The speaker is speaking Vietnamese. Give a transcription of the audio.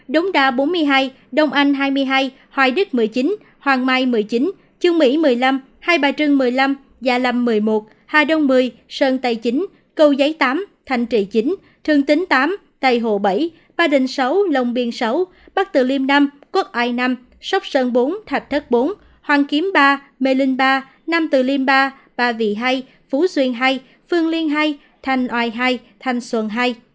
đống đa bốn mươi hai đồng anh hai mươi hai hoài đức một mươi chín hoàng mai một mươi chín trương mỹ một mươi năm hai bà trưng một mươi năm gia lâm một mươi một hà đông một mươi sơn tây chín cầu giấy tám thanh trị chín thương tính tám tây hồ bảy ba đình sáu lòng biên sáu bắc từ liêm năm quốc oai năm sóc sơn bốn thạch thất bốn hoàng kiểm ba mê linh ba nam từ liêm ba ba vị hai phú xuyên hai phương liên hai thanh oai hai thanh xuân hai